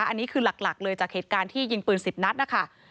อันนี้คือหลักเลยจากเหตุการณ์ที่ยิงปืน๑๐นัดนะคะ